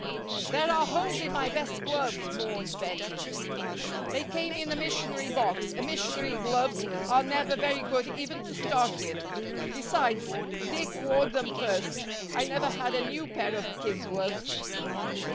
"There are holes in my best gloves," mourned Bettie. "They came in a missionary box, and missionary gloves are never very good even to start with. Besides, Dick wore them first I never had a new pair of kid gloves."